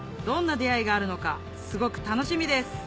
どんな出会いがあるのかすごく楽しみです